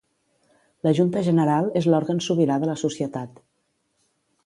La Junta General és l'òrgan sobirà de la societat.